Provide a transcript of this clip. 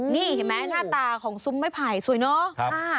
นี่เห็นไหมหน้าตาของซุ้มไม้ไผ่สวยเนาะ